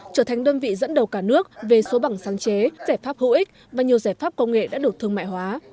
trở thành đơn vị dẫn đầu cả nước về số bằng sáng chế giải pháp hữu ích và nhiều giải pháp công nghệ đã được thương mại hóa